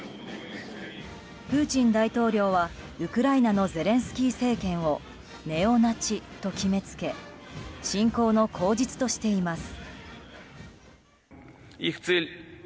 プーチン大統領はウクライナのゼレンスキー政権をネオナチと決めつけ侵攻の口実としています。